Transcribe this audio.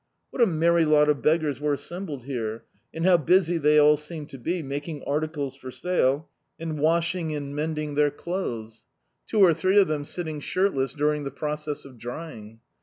What a merry lot of beggars were assembled here; and how busy they all seemed to be, making articles for sale, and washing and mending their D,i.,.db, Google Gridling clothes ! two or three of them sitting shirtless during the process of drying.